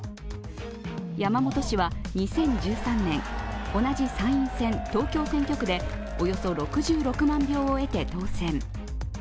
山本氏は２０１３年、同じ参院選・東京選挙区でおよそ６６万票を得て当選。